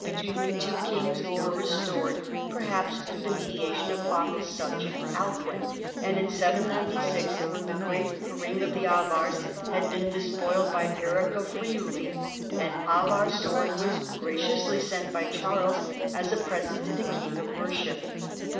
285 between the two kings were restored, perhaps through the mediation of Offa's subject, Alcuhi ; and in Y9G when the great Hring of the Avars had been de spoiled by Eric of Friuli, an Avar sword was gra ciously sent by Charles as a present to the King of Mercia.